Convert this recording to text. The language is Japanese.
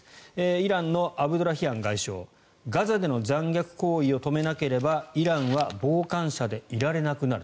イランのアブドラヒアン外相ガザでの残虐行為を止めなければイランは傍観者でいられなくなる。